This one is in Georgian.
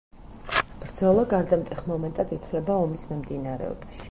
ბრძოლა გარდამტეხ მომენტად ითვლება ომის მიმდინარეობაში.